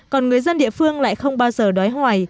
còn người dân địa phương lại không bao giờ